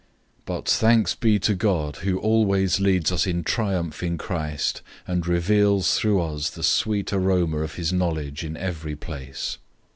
002:014 Now thanks be to God, who always leads us in triumph in Christ, and reveals through us the sweet aroma of his knowledge in every place.